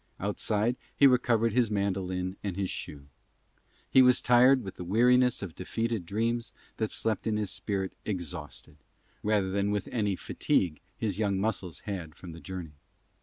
Outside he recovered his mandolin and his shoe. He was tired with the weariness of defeated dreams that slept in his spirit exhausted, rather than with any fatigue his young muscles had from the journey.